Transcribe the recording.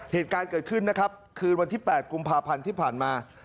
เหตุการณ์เกิดขึ้นนะครับคืนวันที่๘กุมภาพันธ์ที่ผ่านมา